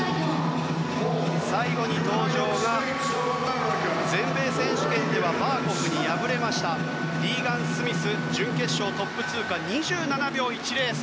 最後に登場が全米選手権ではバーコフに敗れましたリーガン・スミスが準決勝トップ通過２７秒１０。